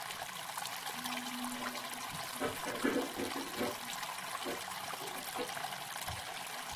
Starting with "Kaladesh" block, sets sometimes also contain an entry in the "Masterpiece Series".